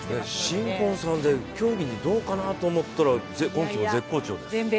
新婚さんで競技はどうかなと思ったんですが、絶好調。